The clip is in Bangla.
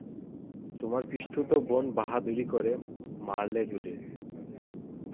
তোমার পিসতুত বোন বাহাদুরি করে মারলে গুলি।